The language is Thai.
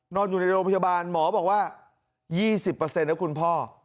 นอนอยู่ในโรงพยาบาลหมอบอกว่า๒๐นะคุณพ่อ